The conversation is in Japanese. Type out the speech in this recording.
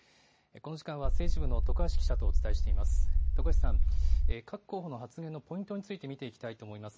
この時間は、政治部の徳橋記者とお伝えしています。